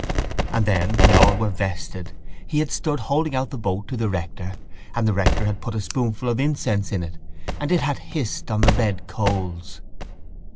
And then when all were vested he had stood holding out the boat to the rector and the rector had put a spoonful of incense in it and it had hissed on the red coals.